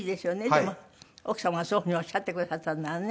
でも奥様がそういうふうにおっしゃってくださったのならね。